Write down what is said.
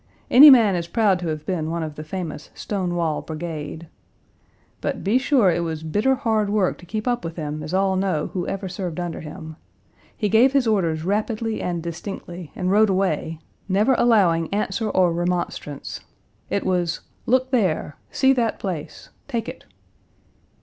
Any man is proud to have been one of the famous Stonewall brigade. But, be sure, it was bitter hard work to keep up with him as all know who ever served under him. He gave his orders rapidly and distinctly and rode away, never allowing answer or remonstrance. It was, 'Look there see that place take it!'